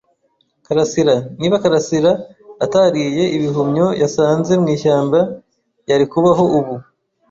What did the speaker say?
[karasira] Niba karasira atariye ibihumyo yasanze mwishyamba, yari kubaho ubu.